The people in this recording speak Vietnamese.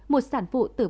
một sản phụ tử bệnh